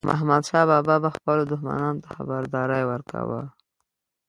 احمدشاه بابا به خپلو دښمنانو ته خبرداری ورکاوه.